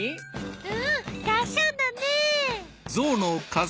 うんがっしゃんだね。